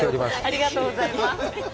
ありがとうございます。